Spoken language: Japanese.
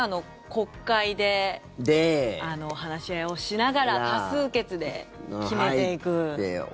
国会で話し合いをしながら多数決で決めていく。